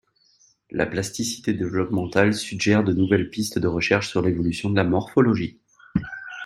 La plasticité développementale suggère de nouvelles pistes de recherche sur l'évolution de la morphologie.